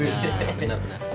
basecamp club anak jalanan